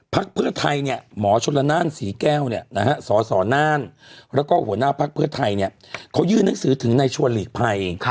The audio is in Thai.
พักเพื่อไทยหมอชนละนานศรีแก้วสสน่านแล้วก็หัวหน้าภักดิ์เพื่อไทยเขายื่นหนังสือถึงในชวนหลีกภัย